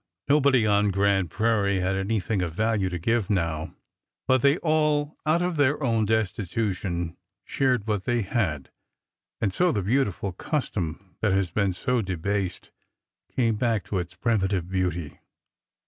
Nobody on Grand Prairie had anything of value to give now, but they all out of their destitution shared what 412 HER WEDDING DAY 413 they had. And so the beautiful custom that has been so debased came back to its primitive beauty.